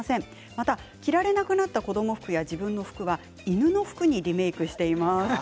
また着られなくなった子ども服や自分の服は犬の服にリメークしています。